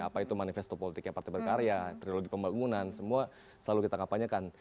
apa itu manifesto politiknya partai berkarya trilogi pembangunan semua selalu kita kampanyekan